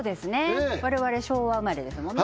我々昭和生まれですもんね